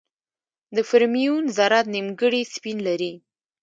د فرمیون ذرات نیمګړي سپین لري.